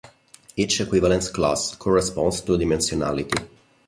Each equivalence class corresponds to a dimensionality.